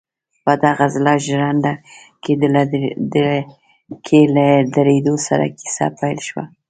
په دغه زړه ژرنده کې له درېدو سره کيسه پيل شوه.